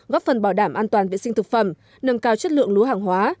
góp phần bảo đảm an toàn vệ sinh thực phẩm nâng cao chất lượng lúa hàng hóa